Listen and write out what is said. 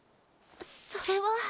それは。